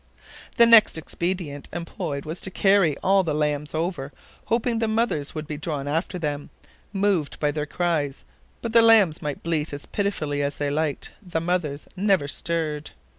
The next expedient employed was to carry all the lambs over, hoping the mothers would be drawn after them, moved by their cries. But the lambs might bleat as pitifully as they liked, the mothers never stirred.